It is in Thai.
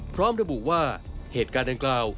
พร้อมระบุว่าเหตุการณ์ดังกล่าว